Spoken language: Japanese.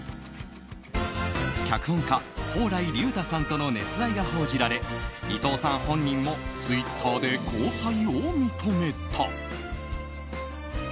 脚本家・蓬莱竜太さんとの熱愛が報じられ伊藤さん本人もツイッターで交際を認めた。